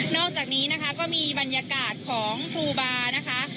อกจากนี้นะคะก็มีบรรยากาศของครูบานะคะ